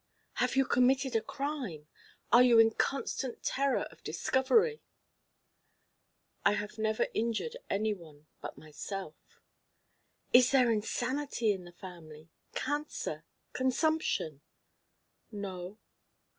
"Have you committed a crime? Are you in constant terror of discovery?" "I have never injured any one but myself." "Is there insanity in the family, cancer, consumption?" "No."